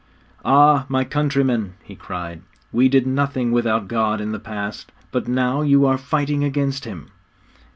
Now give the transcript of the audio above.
'Ah, my countrymen,' he cried, 'we did nothing without God in the past, but now you are fighting against Him.